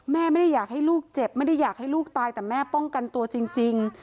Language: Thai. แม่ไม่ได้อยากให้ลูกเจ็บไม่ได้อยากให้ลูกตายแต่แม่ป้องกันตัวจริง